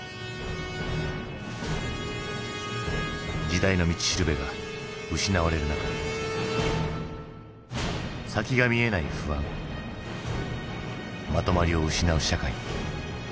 時代の道しるべが失われる中先が見えない不安まとまりを失う社会。